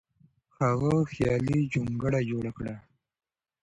هغه خیالي جونګړه جوړه کړه.